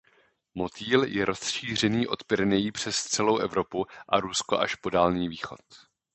Motýl je rozšířený od Pyrenejí přes celou Evropu a Rusko až po Dálný východ.